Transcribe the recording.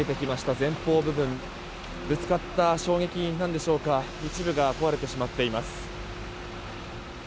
前方部分ぶつかった衝撃なんでしょうか一部が壊れてしまっています。